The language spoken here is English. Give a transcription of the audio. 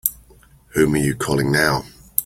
Whom are you calling now?